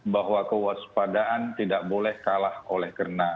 bahwa kewaspadaan tidak boleh kalah oleh karena